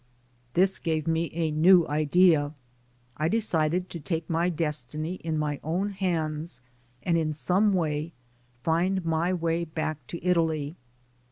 This gave me a new idea. I decided to take my destiny in my own hands and in some way find my way back to Italy.